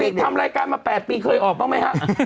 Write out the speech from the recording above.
นี่ทำรายการมา๘ปีเคยออกบ้างไหมฮะ